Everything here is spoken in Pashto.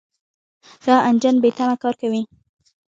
دا انجن بېتمه کار کوي.